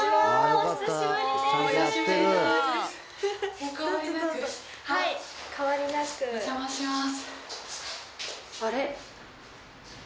お邪魔します。